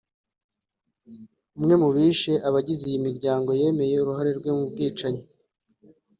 umwe mu bishe abagize iyi miryango yemeye uruhare rwe muri bwicanyi